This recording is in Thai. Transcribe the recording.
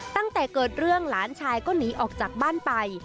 ตั้งแต่เกิดเรื่องหลานชายก็หนีออกจากบ้านไป